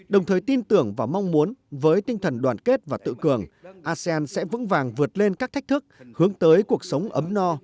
đồng thời tin tưởng và mong muốn với tinh thần đoàn kết và tự cường asean sẽ vững vàng vượt lên các thách thức hướng tới cuộc sống ấm no